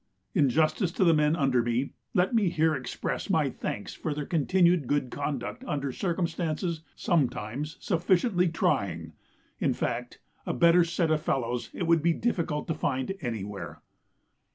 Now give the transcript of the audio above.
In justice to the men under me, let me here express my thanks for their continued good conduct under circumstances sometimes sufficiently trying; in fact, a better set of fellows it would be difficult to find anywhere.